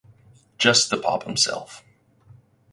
Just to pop himself.